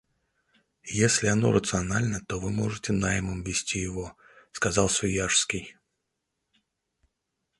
Если оно рационально, то вы можете наймом вести его, — сказал Свияжский.